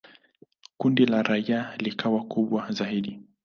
Kundi la Raila likawa kubwa zaidi.